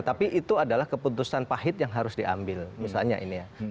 tapi itu adalah keputusan pahit yang harus diambil misalnya ini ya